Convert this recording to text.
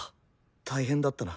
大変だったな。